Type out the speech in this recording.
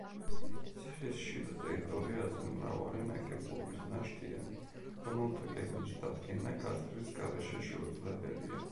ციხის შიდა ტერიტორიაზე მრავალი ნაგებობის ნაშთია, რომელთა გეგმის დადგენა გათხრის გარეშე შეუძლებელია.